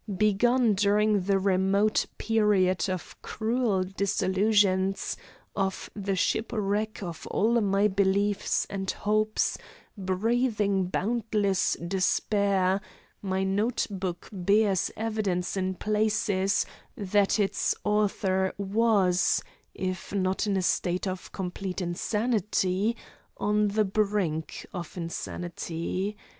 Begun during the remote period of cruel disillusions, of the shipwreck of all my beliefs and hopes, breathing boundless despair, my note book bears evidence in places that its author was, if not in a state of complete insanity, on the brink of insanity.